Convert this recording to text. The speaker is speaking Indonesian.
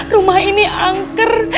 rumah ini angker